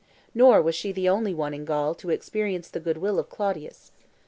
Nor was she the only one in Gaul to experience the good will of Claudius.